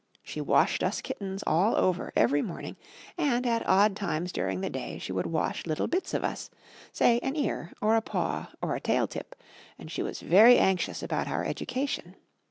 She washed us kittens all over every morning, and at odd times during the day she would wash little bits of us, say an ear, or a paw, or a tail tip, and she was very anxious about our education.